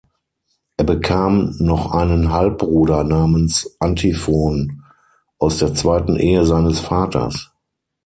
Er bekam noch einen Halbbruder namens Antiphon aus der zweiten Ehe seines Vaters.